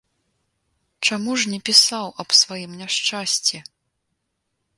Чаму ж не пісаў аб сваім няшчасці?